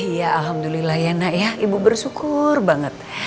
iya alhamdulillah ya nak ya ibu bersyukur banget